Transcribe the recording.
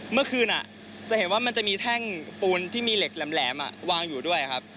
เมื่อคืนจะเห็นว่ามันจะมีแท่งปูนที่มีเหล็กแหลมวางอยู่ด้วยครับ